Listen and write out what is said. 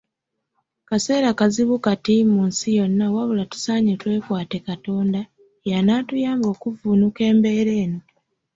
Kaseera kazibu kati mu nsi yonna wabula tusaanye twekwate Katonda y'anaatuyamba okuvvuunuka embeera eno.